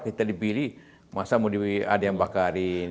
kita dipilih masa mau ada yang bakarin